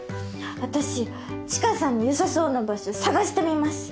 私知花さんによさそうな場所探してみます。